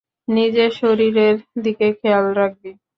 নিজের শরীরের দিকে খেয়াল রাখবি।